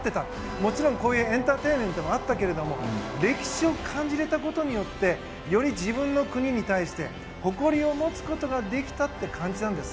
もちろんこういうエンターテインメントもあったけど歴史を感じられたことによってより自分の国に対して誇りを持つことができたと感じたんです。